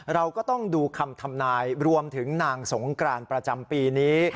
เราก็ต้องดูคำทำนายรวมถึงนางสงกรานประจำปีนี้